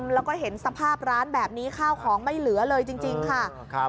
แล้วก็เห็นสภาพร้านแบบนี้ข้าวของไม่เหลือเลยจริงค่ะ